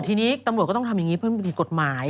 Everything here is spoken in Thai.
ทีนี้ตำรวจก็ต้องทำอย่างนี้เพื่อมันผิดกฎหมาย